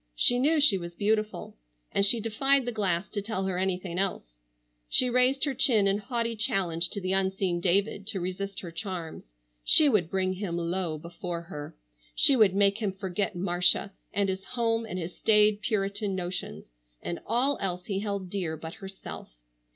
She knew she was beautiful, and she defied the glass to tell her anything else. She raised her chin in haughty challenge to the unseen David to resist her charms. She would bring him low before her. She would make him forget Marcia, and his home and his staid Puritan notions, and all else he held dear but herself.